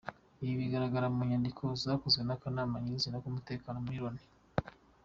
Ibi bigaragara mu nyandiko zakozwe n’akanama nyir’izina k’umutekano muri Loni.